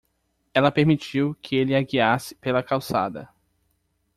Ela permitiu que ele a guiasse pela calçada.